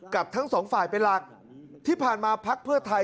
กับทั้งสองฝ่ายเป็นหลักที่ผ่านมาพักเพื่อไทย